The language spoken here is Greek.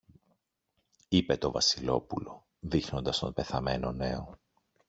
είπε το Βασιλόπουλο, δείχνοντας τον πεθαμένο νέο.